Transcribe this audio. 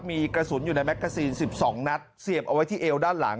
มีกระสุนอยู่ในแมกกาซีน๑๒นัดเสียบเอาไว้ที่เอวด้านหลัง